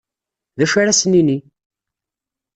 D acu ara as-nini?